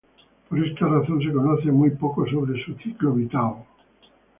Por esta razón, se conoce muy poco sobre su ciclo vital.